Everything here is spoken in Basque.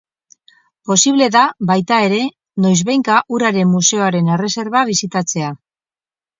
Posible da, baita ere, noiz behinka Uraren Museoaren erreserba bisitatzea.